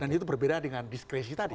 dan itu berbeda dengan diskresi tadi